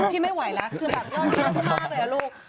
พี่ไม่ไหวแล้วคือแบบยอดเยี่ยมมากเลยลูก